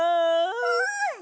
うん！